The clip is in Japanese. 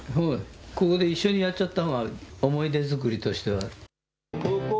ここで一緒にやっちゃったほうが思い出作りとしては。